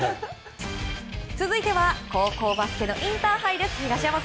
続いては高校バスケのインターハイです。